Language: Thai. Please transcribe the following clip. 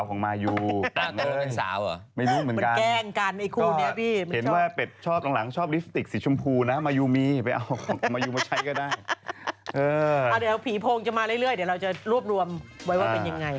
ก็ใช้ก็ได้เออเอาเดี๋ยวผีโพงจะมาเรื่อยเรื่อยเดี๋ยวเราจะรวบรวมไว้ว่าเป็นยังไง